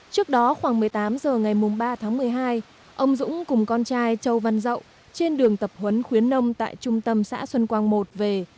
trước đó khoảng một mươi tám h ngày ba tháng một mươi hai ông dũng cùng con trai châu văn dậu trên đường tập huấn khuyến nông tại trung tâm xã xuân quang một về